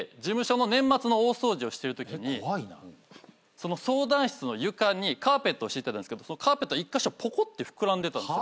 その相談室の床にカーペットを敷いてたんですけどそのカーペットの１カ所ぽこって膨らんでたんですよ。